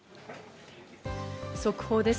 速報です。